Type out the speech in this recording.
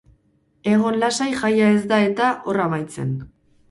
Egon lasai jaia ez da eta hor amaitzen.